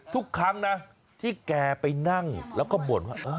ทุกครั้งนะที่แกไปนั่งแล้วก็บ่นว่า